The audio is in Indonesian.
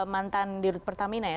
mantan di rut pertamina ya